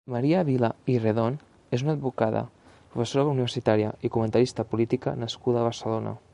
Maria Vila i Redon és una advocada, professora universitària i comentarista política nascuda a Barcelona.